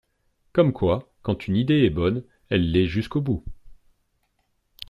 Comme quoi, quand une idée est bonne, elle l’est jusqu’au bout.